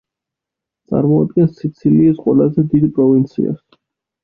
წარმოადგენს სიცილიის ყველაზე დიდ პროვინციას.